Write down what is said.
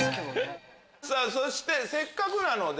そしてせっかくなので。